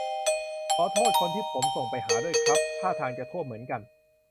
ขอโทษคนที่ผมส่งไปหาด้วยครับ ท่าทางจะท่วมเหมือนกัน